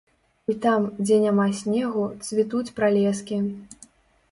І там, дзе няма снегу, цвітуць пралескі.